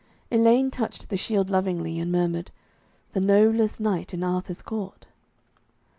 Elaine touched the shield lovingly, and murmured, 'The noblest knight in Arthur's court.'